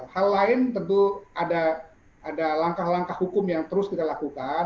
hal lain tentu ada langkah langkah hukum yang terus kita lakukan